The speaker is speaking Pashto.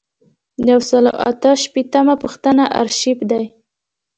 یو سل او اته شپیتمه پوښتنه آرشیف دی.